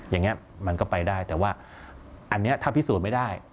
อย่างนี้มันก็ไปได้แต่ว่าอันนี้ถ้าพิสูจน์ไม่ได้